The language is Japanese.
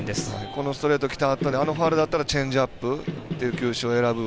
このストレートきたあとあのファウルだったらチェンジアップという球種を選ぶ。